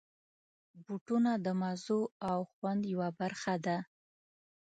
بوټونه د مزو او خوند یوه برخه ده.